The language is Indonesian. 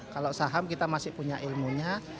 kalau saham kita masih punya ilmunya